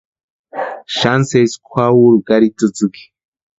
Xani sesi kwaurhukʼa ari tsïtsïki.